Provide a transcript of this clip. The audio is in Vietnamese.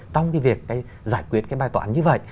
trong cái việc giải quyết cái bài toán như vậy